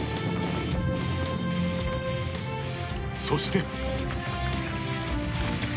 そして。